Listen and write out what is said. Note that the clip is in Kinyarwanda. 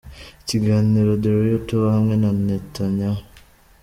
Ikiganiro The Royal Tour hamwe na Netanyahu.